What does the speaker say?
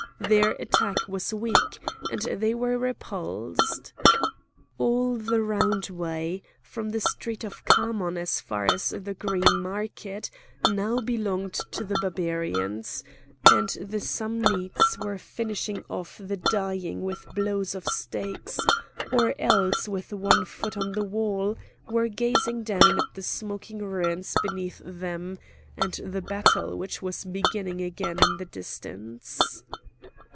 Their attack was weak, and they were repulsed. All the roundway, from the street of Khamon as far as the Green Market, now belonged to the Barbarians, and the Samnites were finishing off the dying with blows of stakes; or else with one foot on the wall were gazing down at the smoking ruins beneath them, and the battle which was beginning again in the distance.